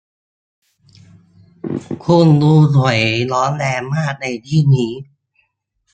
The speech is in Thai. คุณดูสวยร้อนแรงมากในที่นี้